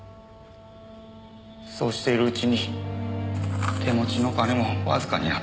そうしているうちに手持ちの金もわずかになって。